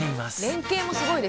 連携もすごいですね。